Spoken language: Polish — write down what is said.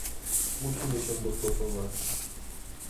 Musimy się dostosować